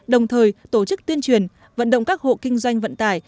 đồng thời tổ chức tuyên truyền vận động các hộ kinh doanh vận tải